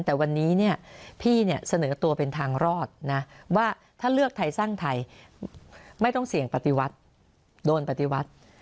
แต่วันนี้เนี่ยพี่เนี่ยเสนอตัวเป็นทางรอดนะว่าถ้าเลือกไทยสร้างไทยไม่ต้องเสี่ยงปฏิวัติโดนปฏิวัติ